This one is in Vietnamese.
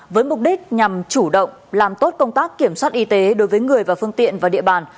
với mục đích nhằm chủ động làm tốt công tác kiểm soát y tế đối với người và phương tiện vào địa bàn